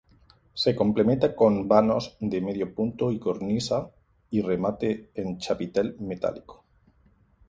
Se complementa con vanos de medio punto y cornisa y remate en chapitel metálico.